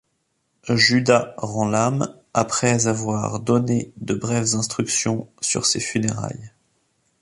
Juda rend l’âme après avoir donné de brèves instructions sur ses funérailles.